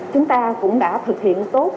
chúng ta cũng đã thực hiện tốt